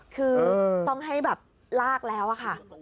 คือต้องให้แบบลากแล้วอะค่ะ